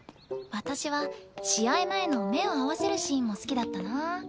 私は試合前の目を合わせるシーンも好きだったなぁ。